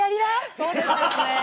そうですよね。